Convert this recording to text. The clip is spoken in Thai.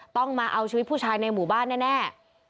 ต้องมาเอาชีวิตผู้ชายในหมู่บ้านแน่